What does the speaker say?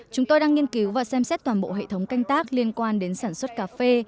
chúng tôi đang nghiên cứu và xem xét toàn bộ hệ thống canh tác liên quan đến sản xuất cà phê